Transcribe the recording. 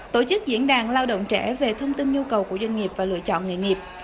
tổ chức diễn đàn lao động trẻ về thông tin nhu cầu của doanh nghiệp và lựa chọn nghề nghiệp